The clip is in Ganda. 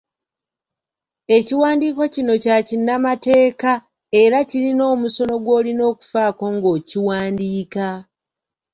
Ekiwandiiko kino kya kinnamateeka era kirina omusono gw'olina okufaako ng'okiwandiika.